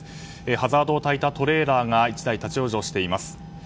ハザードをたいたトレーラーが１台立ち往生しています。